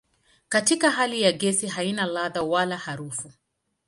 Katika hali ya gesi haina ladha wala harufu.